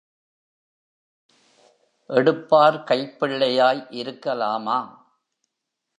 எடுப்பார் கைப்பிள்ளையாய் இருக்கலாமா?